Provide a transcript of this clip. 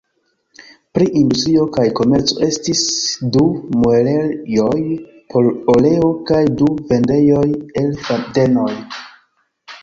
Pri industrio kaj komerco estis du muelejoj por oleo kaj du vendejoj el fadenoj.